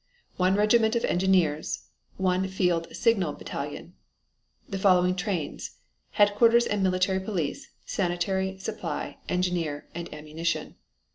One regiment of engineers. One field signal battalion. The following trains: Headquarters and military police, sanitary, supply, engineer, and ammunition.